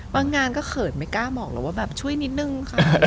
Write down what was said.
งานก็เขินไม่กล้าบอกแล้วว่าแบบช่วยนิดนึงค่ะ